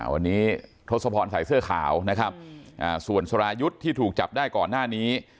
วันนี้ทศพรใส่เสื้อขาวนะครับส่วนสรายุทธ์ที่ถูกจับได้ก่อนหน้านี้